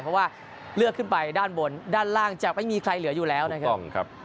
เพราะว่าเลือกขึ้นไปด้านบนด้านล่างจะไม่มีใครเหลืออยู่แล้วนะครับ